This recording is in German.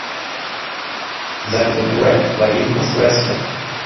Sein Sohn Greg war ebenfalls Wrestler.